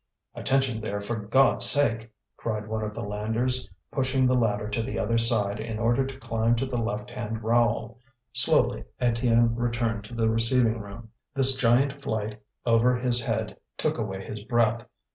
"Attention there, for God's sake!" cried again the landers, pushing the ladder to the other side in order to climb to the left hand rowel. Slowly Étienne returned to the receiving room. This giant flight over his head took away his breath.